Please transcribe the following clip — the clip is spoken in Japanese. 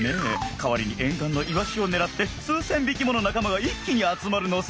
代わりに沿岸のイワシを狙って数千匹もの仲間が一気に集まるのさ。